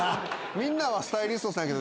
みんなはスタイリストさんやけど。